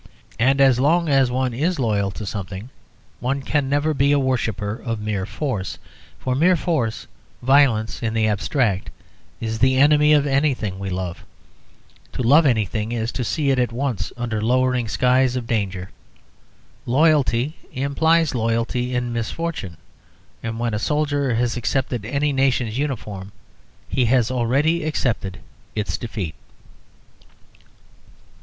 And as long as one is loyal to something one can never be a worshipper of mere force. For mere force, violence in the abstract, is the enemy of anything we love. To love anything is to see it at once under lowering skies of danger. Loyalty implies loyalty in misfortune; and when a soldier has accepted any nation's uniform he has already accepted its defeat.